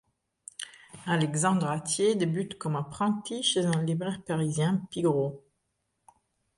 Alexandre Hatier débute comme apprenti chez un libraire parisien, Pigoreau.